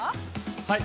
◆はい。